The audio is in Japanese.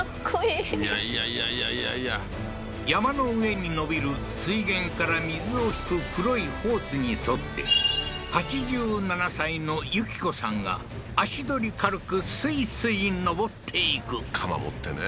いやいやいやいやいやいや山の上に延びる水源から水を引く黒いホースに沿って８７歳の順子さんが足取り軽くスイスイ上っていく鎌持ってね